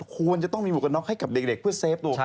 ควรจะต้องมีหมวกกันน็อกให้กับเด็กเพื่อเฟฟตัวเขา